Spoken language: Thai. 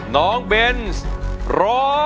น้องเบนร้อน